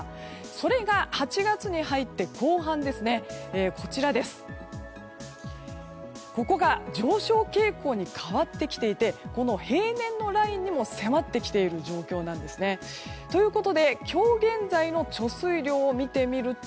それが８月に入って後半ここが上昇傾向に変わってきていてこの平年のラインにも迫ってきている状況なんですね。ということで、今日現在の貯水量を見てみると